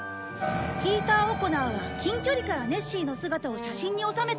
ピーター・オコナーは近距離からネッシーの姿を写真に収めた。